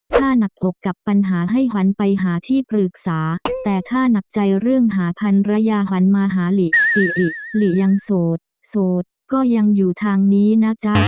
ถ้าหนักอกกับปัญหาให้หันไปหาที่ปรึกษาแต่ถ้าหนักใจเรื่องหาพันรยาหันมาหาหลีอิอิหลียังโสดโสดก็ยังอยู่ทางนี้นะจ๊ะ